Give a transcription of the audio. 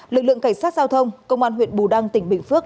lực lượng cảnh sát giao thông công an huyện bù đăng tỉnh bình phước